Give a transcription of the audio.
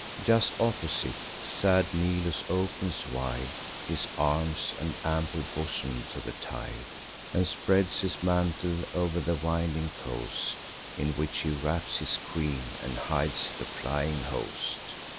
Just opposite, sad Nilus opens wide His arms and ample bosom to the tide, And spreads his mantle o'er the winding coast, In which he wraps his queen, and hides the flying host.